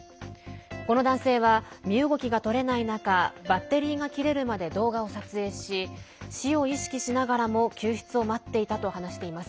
この男性は身動きがとれない中バッテリーが切れるまで動画を撮影し死を意識しながらも救出を待っていたと話しています。